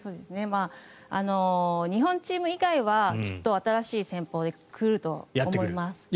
日本チーム以外は、きっと新しい戦法で来ると思います。